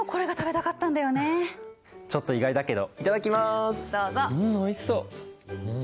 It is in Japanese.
んおいしそう！